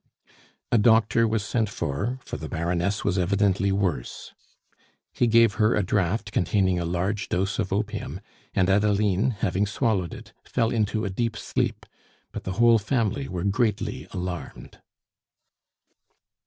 A doctor was sent for, for the Baroness was evidently worse. He gave her a draught containing a large dose of opium, and Adeline, having swallowed it, fell into a deep sleep; but the whole family were greatly alarmed.